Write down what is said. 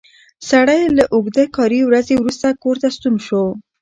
سړی له اوږده کاري ورځې وروسته کور ته ستون شو